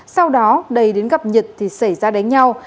sau đó đầy đến gặp nhật thì xảy ra đánh nhau